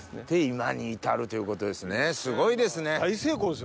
で今に至るということですねすごいですね。